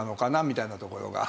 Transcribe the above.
みたいなところが。